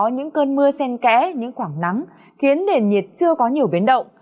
những cơn mưa sen kẽ những khoảng nắng khiến nền nhiệt chưa có nhiều biến động